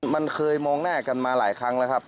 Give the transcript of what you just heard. มันเคยมองหน้ากันมาหลายครั้งแล้วครับ